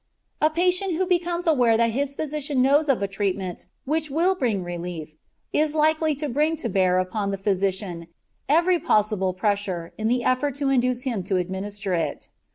A patient who becomes aware that his physician knows of a treatment which will bring relief is likely to bring to bear upon the physician every possible pressure in the effort to induce him to administer it.